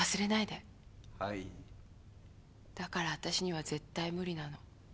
だからわたしには絶対無理なの。